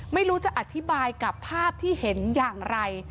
ไม่รู้จะอธิบายกับภาพที่เห็นอย่างไร